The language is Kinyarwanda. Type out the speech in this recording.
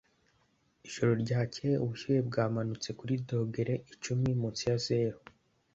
Ijoro ryakeye ubushyuhe bwamanutse kuri dogere icumi munsi ya zeru